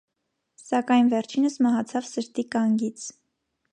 Սակայն վերջինս մահացավ սրտի կանգից։